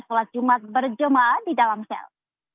sholat jumat berjemaah di dalam sel